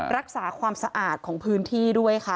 รักษาความสะอาดของพื้นที่ด้วยค่ะ